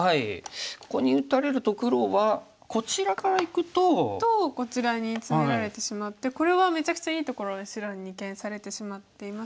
ここに打たれると黒はこちらからいくと。とこちらにツメられてしまってこれはめちゃくちゃいいところに白に二間されてしまっていますので。